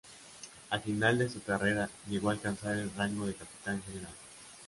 Al final de su carrera llegó a alcanzar el rango de capitán general.